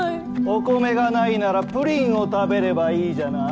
お米がないならプリンを食べればいいじゃない。